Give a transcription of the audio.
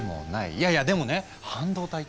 いやいやでもね半導体って。